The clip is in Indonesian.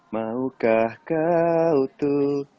maukah kau tuh